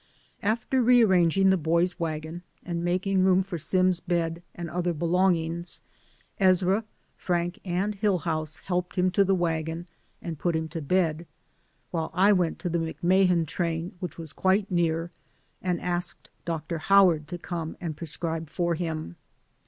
After re arranging the boys' wagon and making room for Sim's bed and other be longings ; Ezra, Frank and Hillhouse helped him to the wagon and put him to bed, while I went to the McMahan train, which was quite near, and asked Dr. Howard to come and prescribe for him.